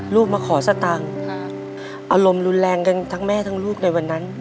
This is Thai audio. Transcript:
ลูกมาขอสตางค์อารมณ์รุนแรงกันทั้งแม่ทั้งลูกในวันนั้น